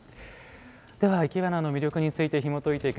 では、いけばなの魅力についてひもといていく